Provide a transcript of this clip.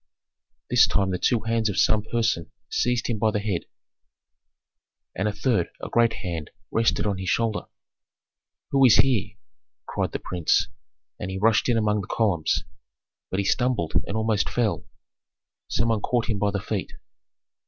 This time the two hands of some person seized him by the head, and a third, a great hand, rested on his shoulder. "Who is here?" cried the prince; and he rushed in among the columns. But he stumbled and almost fell: some one caught him by the feet.